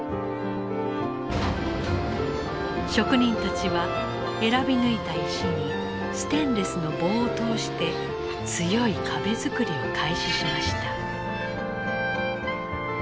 職人たちは選び抜いた石にステンレスの棒を通して強い壁作りを開始しました。